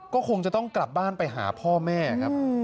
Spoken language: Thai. ก็คงจะต้องกลับบ้านไปหาพ่อแม่ครับ